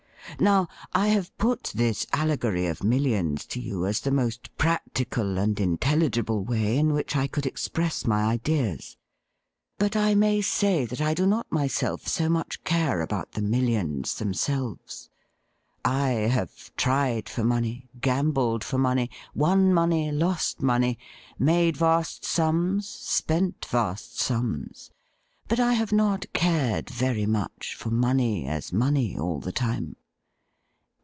Now, I have put this allegory of millions to you as the most practical and intelligible way in which I could express my ideas, but I may say that I do not myself so much care 'THAT LADY IS NOT NOW LIVING' 157 about the millions themselves. I have tried for money, gambled for money, won money, lost money, made vast sums, spent vast sums, but I have not cared very much for money as money all the time.'